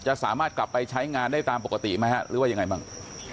สามารถกลับไปใช้งานได้ตามปกติไหมฮะหรือว่ายังไงบ้าง